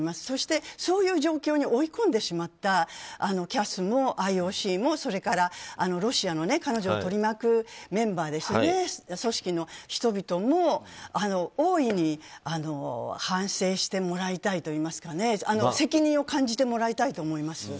そして、そういう状況に追い込んでしまったＣＡＳもＩＯＣもそれからロシアの彼女を取り巻くメンバーですね、組織の人々も大いに反省してもらいたいといいますかね責任を感じてもらいたいと思います。